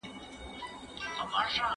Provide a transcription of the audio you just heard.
تاریخ انسان ته ملي هویت ورکوي.